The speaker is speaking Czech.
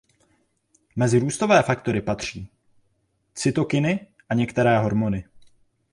Mezi růstové faktory patří cytokiny a některé hormony.